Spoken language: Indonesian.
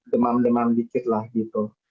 demam demam dikit lah gitu